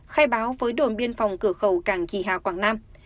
khai báo với đồn biên phòng cửa khẩu càng kỳ hà quảng nam